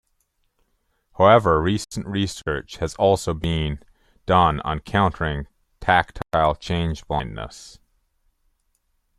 However, recent research has also been done on countering tactile change blindness.